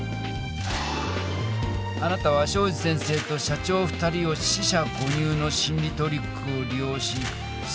あなたは東海林先生と社長２人を四捨五入の心理トリックをり用しふ